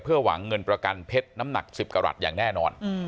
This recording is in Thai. หวังเงินประกันเพชรน้ำหนัก๑๐กรัฐอย่างแน่นอน